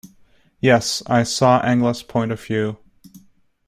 Yes, I saw Angela's point of view.